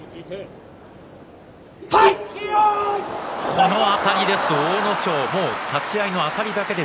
このあたりです、阿武咲立ち合いのあたりです。